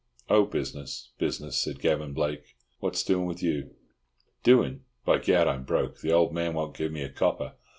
"Oh, business—business" said Gavan Blake. "What's doing with you?" "Doing! By Gad, I'm broke. The old man won't give me a copper.